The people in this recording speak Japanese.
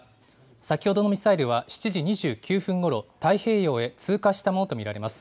先ほどのミサイルは７時２９分ごろ、太平洋へ通過したものと見られます。